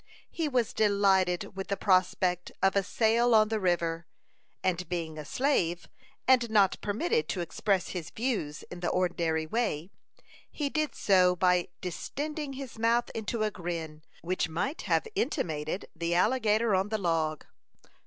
He was delighted with the prospect of a sail on the river; and being a slave, and not permitted to express his views in the ordinary way, he did so by distending his mouth into a grin which might have intimidated the alligator on the log.